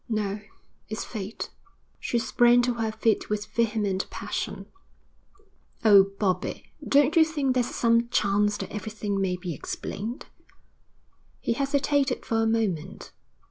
'No, it's fate.' She sprang to her feet with vehement passion. 'Oh, Bobbie, don't you think there's some chance that everything may be explained?' He hesitated for a moment.